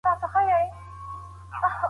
د غايب يا وفات سوي مخلوق څخه مرسته غوښتل شرک دی